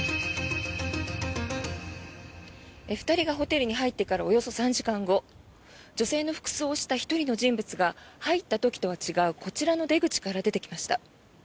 ２人がホテルに入ってからおよそ３時間後女性の服装をした１人の人物が入った時とは違うこちらの出口から出てきました。